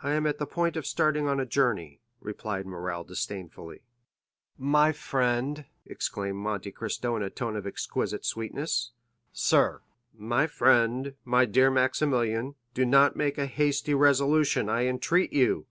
"I am on the point of starting on a journey," replied Morrel disdainfully. "My friend," exclaimed Monte Cristo in a tone of exquisite sweetness. "Sir?" "My friend, my dear Maximilian, do not make a hasty resolution, I entreat you."